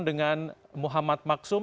dengan muhammad maksum